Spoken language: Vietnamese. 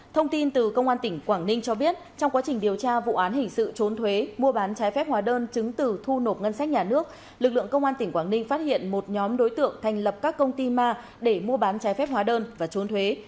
thông tin từ công an tỉnh quảng ninh cho biết trong quá trình điều tra vụ án hình sự trốn thuế mua bán trái phép hóa đơn chứng từ thu nộp ngân sách nhà nước lực lượng công an tỉnh quảng ninh phát hiện một nhóm đối tượng thành lập các công ty ma để mua bán trái phép hóa đơn và trốn thuế